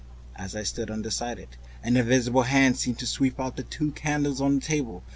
As I stood undecided, an invisible hand seemed to sweep out the two candles on the table.